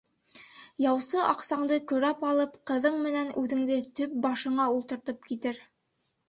Яусы аҡсаңды көрәп алып, ҡыҙың менән үҙеңде төп башыңа ултыртып китер.